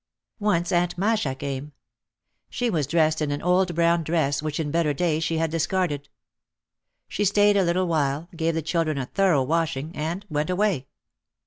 Once Aunt Masha came. She was dressed in an old brown dress which in better days she had discarded. She stayed a little while, gave the children a thorough washing and went away.